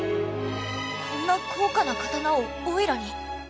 こんな高価な刀をおいらに？